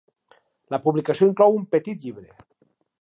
La publicació inclou un petit llibre.